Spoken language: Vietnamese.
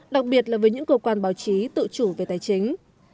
đặc biệt là với những cơ quan báo chí tự chủ về tài chính